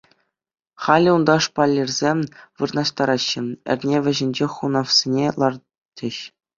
Халӗ унта шпалерсем вырнаҫтараҫҫӗ, эрне вӗҫӗнче хунавсене лартӗҫ.